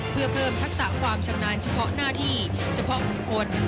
เพื่อเพิ่มทักษะความชำนาญเฉพาะหน้าที่เฉพาะบุคคล